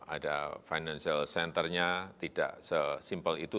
ada financial centernya tidak sesimpel itu